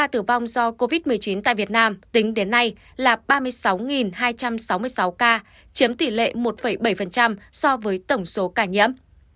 tính đến nay là ba mươi sáu hai trăm sáu mươi sáu ca chiếm tỷ lệ một bảy so với tổng số ca nhiễm